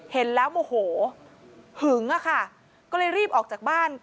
เห็นแล้วโมโหหึงอะค่ะก็เลยรีบออกจากบ้าน